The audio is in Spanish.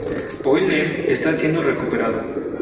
Hoy Lem está siendo recuperado.